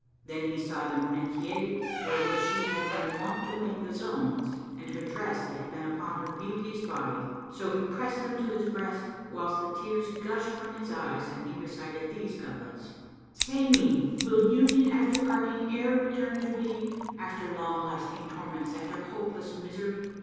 Then he saw the métier wherewith she had been wont to make the zones and her dress that had been upon her beauteous body: so he pressed them to his breast, whilst the tears gushed from his eyes and he recited these couplets, "Say me, will Union after parting e'er return to be * After long lasting torments, after hopeless misery?